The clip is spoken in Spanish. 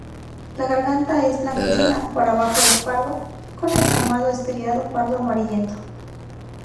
La garganta es blanquecina, por abajo es pardo con escamado estriado pardo amarillento.